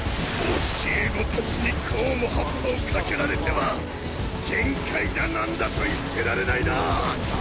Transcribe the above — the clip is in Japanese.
教え子たちにこうもハッパを掛けられては限界だ何だと言ってられないな！